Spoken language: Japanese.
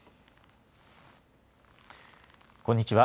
こんにちは。